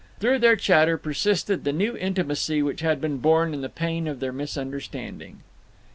Through their chatter persisted the new intimacy which had been born in the pain of their misunderstanding.